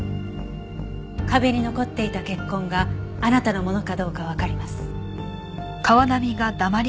壁に残っていた血痕があなたのものかどうかわかります。